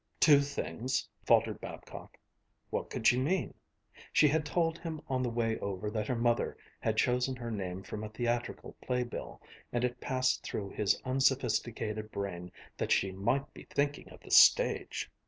"Do things," faltered Babcock. What could she mean? She had told him on the way over that her mother had chosen her name from a theatrical playbill, and it passed through his unsophisticated brain that she might be thinking of the stage.